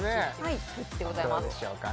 どうでしょうか